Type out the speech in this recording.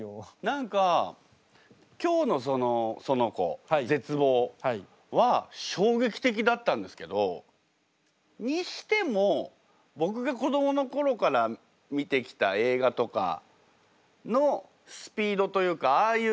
何か今日のそのその子絶望は衝撃的だったんですけどにしても僕が子どもの頃から見てきた映画とかのスピードというかああいう